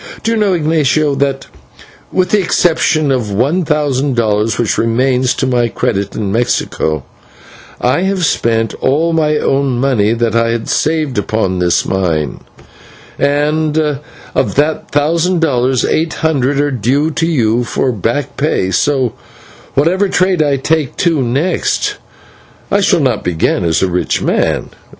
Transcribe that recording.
Do you know, Ignatio, that, with the exception of one thousand dollars which remain to my credit in Mexico, I have spent all my own money that I had saved upon this mine, and of that thousand dollars, eight hundred are due to you for back pay, so, whatever trade I take to next, I shall not begin as a rich man."